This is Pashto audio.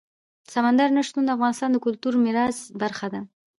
سمندر نه شتون د افغانستان د کلتوري میراث برخه ده.